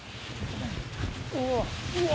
うわ。